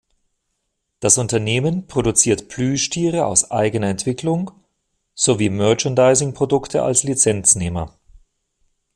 Das Unternehmen produziert Plüschtiere aus eigener Entwicklung sowie Merchandising-Produkte als Lizenznehmer.